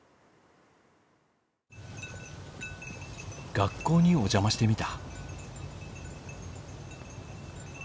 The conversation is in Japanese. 学校にお邪魔してみた。